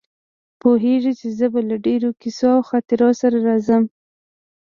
پوهېږي چې زه به له ډېرو کیسو او خاطرو سره راځم.